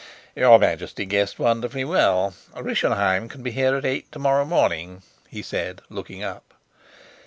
"Your Majesty guessed wonderfully well. Rischenheim can be here at eight to morrow morning," he said, looking up.